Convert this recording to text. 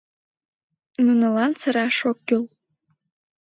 Нунылан сыраш ок кӱл.